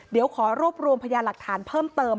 เดี๋ยวขอรวบรวมพยาหลักฐานเพิ่มเติม